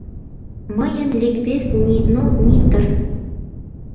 Мыйын ликбез ни «но», ни «тыр».